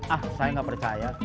ah saya gak percaya